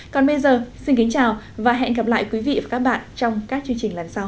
còn bây giờ xin kính chào và hẹn gặp lại quý vị và các bạn trong các chương trình lần sau